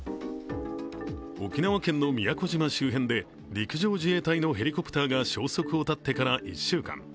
沖縄県の宮古島周辺で陸上自衛隊のヘリコプターが消息を絶ってから１週間。